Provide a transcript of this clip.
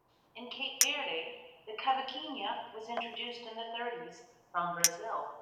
In Cape Verde the cavaquinho was introduced in the thirties from Brazil.